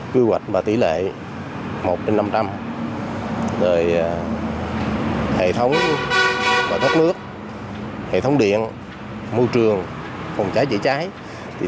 quy hoạch và tỷ lệ một trên năm trăm linh rồi hệ thống và thuốc nước hệ thống điện môi trường phòng trái dễ trái